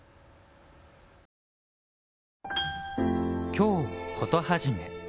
「京コトはじめ」